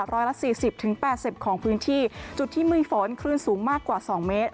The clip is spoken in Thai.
ร้อยละ๔๐๘๐ของพื้นที่จุดที่มีฝนคลื่นสูงมากกว่า๒เมตร